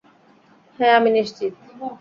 হ্যাঁ, আমি নিশ্চিত।